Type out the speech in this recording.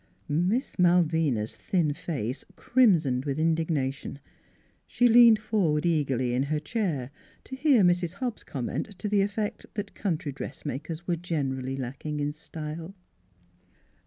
" Miss Malvina's thin face crimsoned with indig nation; she leaned forward eagerly in her chair to hear Mrs. Hobb's comment to the effect that 32 NEIGHBORS country dressmakers were generally lacking in style.